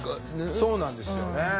そうなんですよね。